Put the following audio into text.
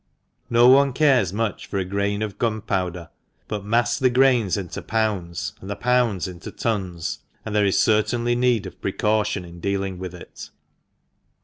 No one cares much for a grain of gunpowder ; but mass the grains into pounds, and the pounds into tons, and there is certainly need of precaution in dealing with it.